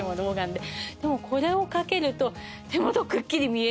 でもこれをかけると手元クッキリ見えるので。